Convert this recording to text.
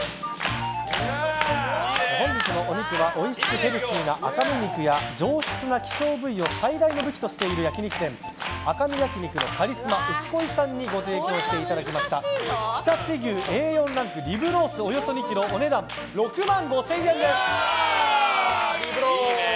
本日のお肉はおいしくヘルシーな赤身肉や上質な希少部位を最大の武器としている焼き肉店赤身焼き肉のカリスマ牛恋さんにご提供していただいた常陸牛Ａ４ランクリブロースおよそ２ｋｇお値段、６万５０００円です！